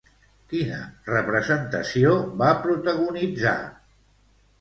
Quina representació va protagonitzar?